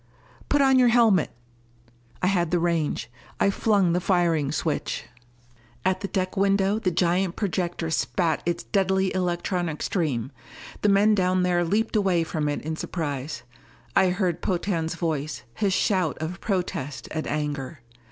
"Put on your helmet!" I had the range. I flung the firing switch. At the deck window the giant projector spat its deadly electronic stream. The men down there leaped away from it in surprise. I heard Potan's voice, his shout of protest and anger.